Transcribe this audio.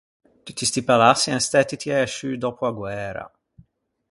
Tutti sti palaçi en stæti tiæ sciù dòppo a guæra.